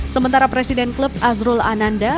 sementara presiden klub azrul ananda